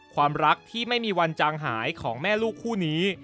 ความรักที่ไม่มีวันจางหายของแม่ลูกคู่นี้